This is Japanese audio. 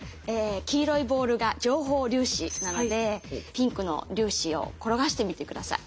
黄色いボールが情報粒子なのでピンクの粒子を転がしてみてください。